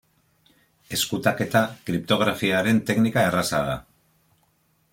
Ezkutaketa kriptografiaren teknika erraza da.